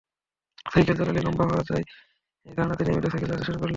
Cycle চালালেই লম্বা হওয়া যায়—এই ধারণাতে নিয়মিত সাইকেল চালাতে শুরু করলেন।